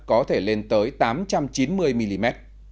có thể lên tới tám trăm chín mươi mm